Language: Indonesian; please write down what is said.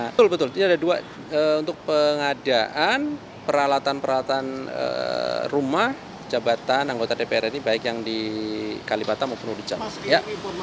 betul betul ini ada dua untuk pengadaan peralatan peralatan rumah jabatan anggota dpr ini baik yang di kalibata maupun di jawa tengah